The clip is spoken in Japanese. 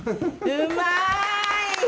うまーい！